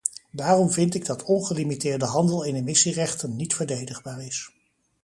Daarom vind ik dat ongelimiteerde handel in emissierechten niet verdedigbaar is.